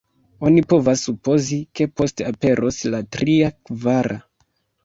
Oni povas supozi, ke poste aperos la tria, kvara.